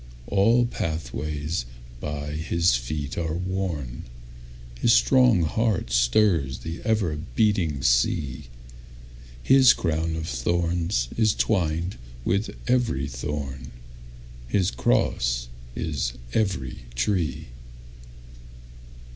All pathways by his feet are worn, His strong heart stirs the ever beating sea, His crown of thorns is twined with every thorn, His cross is every tree.